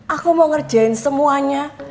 aku mau ngerjain semuanya